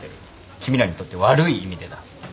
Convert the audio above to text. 君らにとって悪い意味でだ。